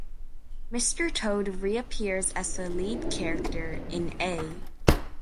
Mr. Toad reappears as the lead character in A.